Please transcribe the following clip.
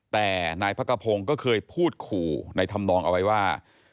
แต่นายพักกระพงศ์ก็เคยพูดขู่ในธรรมนองเอาไว้ว่า